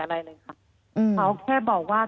เขาแค่บอกว่า